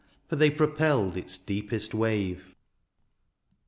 For they propelled its deepest wave.